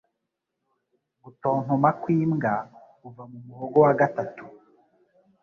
gutontoma nk'imbwa kuva mu muhogo wa gatatu